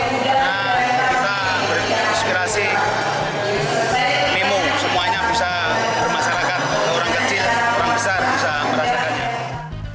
orang kecil orang besar bisa merasakannya